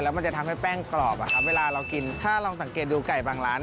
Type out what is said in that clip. มันจะทำให้แป้งกรอบเวลาเรากินถ้าลองสังเกตดูไก่บางร้าน